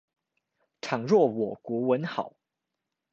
倘若我國文好